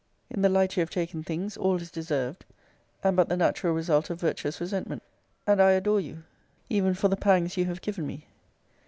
In the light you have taken things, all is deserved, and but the natural result of virtuous resentment; and I adore you, even for the pangs you have given me.